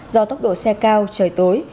do tốc độ xe cao trời tối